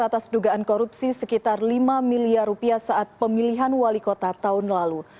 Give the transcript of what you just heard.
atas dugaan korupsi sekitar lima miliar rupiah saat pemilihan wali kota tahun lalu